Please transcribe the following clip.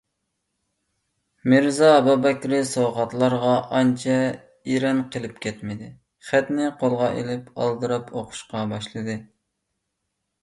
مىرزا ئابابەكرى سوۋغاتلارغا ئانچە ئېرەن قىلىپ كەتمىدى، خەتنى قولىغا ئېلىپ ئالدىراپ ئوقۇشقا باشلىدى.